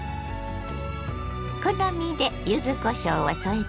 好みで柚子こしょうを添えてね。